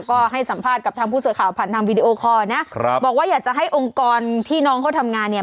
ก็ให้สัมภาษณ์กับทางผู้สื่อข่าวผ่านทางวีดีโอคอร์นะครับบอกว่าอยากจะให้องค์กรที่น้องเขาทำงานเนี่ย